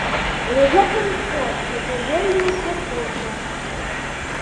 Але гэта ўсё для даверлівых вяскоўцаў.